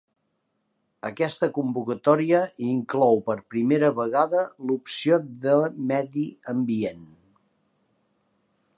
Aquesta convocatòria inclou per primera vegada l'opció de medi ambient.